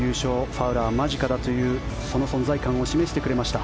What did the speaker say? ファウラー間近だというその存在感を示してくれました。